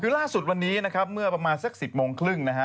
คือล่าสุดวันนี้นะครับเมื่อประมาณสัก๑๐โมงครึ่งนะฮะ